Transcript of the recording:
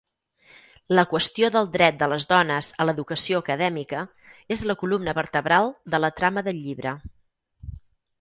La qüestió del dret de les dones a l'educació acadèmica és la columna vertebral de la trama del llibre.